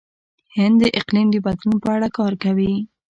هند د اقلیم د بدلون په اړه کار کوي.